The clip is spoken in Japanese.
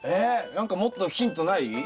何かもっとヒントない？